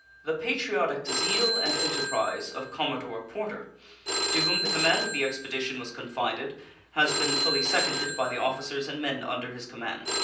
The patriotic zeal and enterprise of Commodore Porter, to whom the command of the expedition was confided, has been fully seconded by the officers and men under his command.